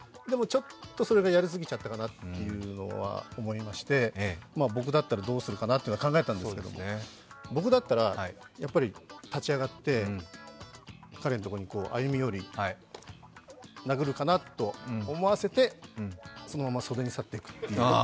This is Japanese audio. でもちょっとそれがやりすぎちゃったかなというのは思いまして僕だったらどうするかなというのを考えたんですけど、僕だったら、立ち上がって、彼のところに歩み寄り、殴るかなと思わせて、そのまま袖に去っていく。